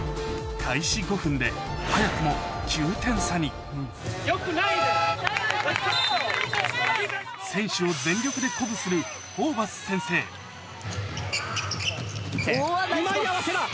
開始５分で早くも選手を全力で鼓舞するホーバス先生うわナイスパス。